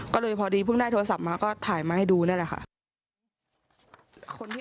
ก็เลยพอดีเพิ่งได้โทรศัพท์มาก็ถ่ายมาให้ดูนั่นแหละค่ะ